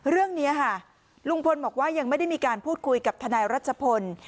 เรื่องนี้ค่ะลุงพลบอกว่ายังไม่ได้มีการพูดคุยกับทนายรัชพล